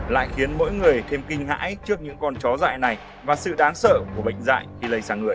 lại khiến mỗi người thêm kinh hãi trước những con chó dại này và sự đáng sợ của bệnh dạy khi lây sang người